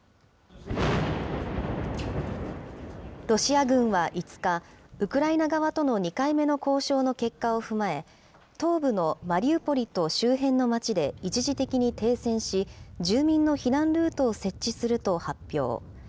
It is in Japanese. ロシア軍は５日、ウクライナ側との２回目の交渉の結果を踏まえ、東部のマリウポリと周辺の町で一時的に停戦し、住民の避難ルートを設置すると発表。